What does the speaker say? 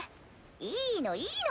いいのいいの。